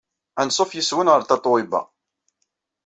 Anṣuf yes-wen ɣer Tatoeba!